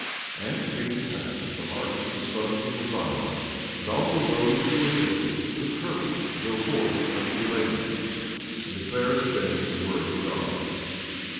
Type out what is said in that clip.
17:12 And it came to pass that the hearts of the sons of Mosiah, and also those who were with them, took courage to go forth unto the Lamanites to declare unto them the word of God.